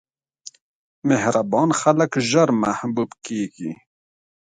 مهربان خلک ژر محبوب کېږي.